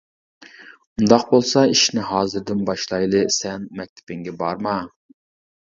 -ئۇنداق بولسا ئىشنى ھازىردىن باشلايلى، سەن مەكتىپىڭگە بارما؟ !